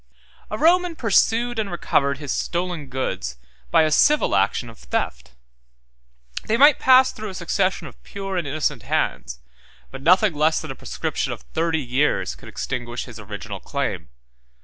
168 A Roman pursued and recovered his stolen goods by a civil action of theft; they might pass through a succession of pure and innocent hands, but nothing less than a prescription of thirty years could extinguish his original claim.